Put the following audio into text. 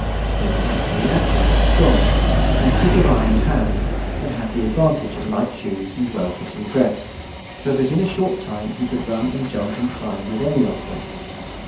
He was naturally active and strong, and quick of eye and hand, and had the advantage of light shoes and well fitting dress, so that in a short time he could run and jump and climb with any of them.